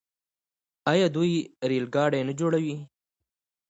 آیا دوی ریل ګاډي نه جوړوي؟